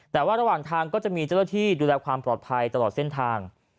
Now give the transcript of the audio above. แต่ว่าระหว่างทางก็จะมีเจ้าหน้าที่ดูแลความปลอดภัยตลอดเส้นทาง